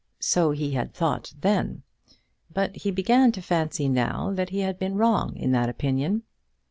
So he had thought then; but he began to fancy now that he had been wrong in that opinion.